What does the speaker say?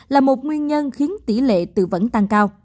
là một nguyên nhân khiến tỷ lệ tự nhiên